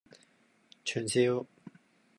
串燒